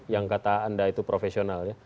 yang kata anda itu profesional ya